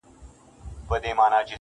یاران د بېلتانه تر ماخوستنه نه بېلېږي